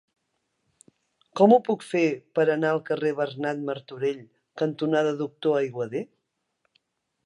Com ho puc fer per anar al carrer Bernat Martorell cantonada Doctor Aiguader?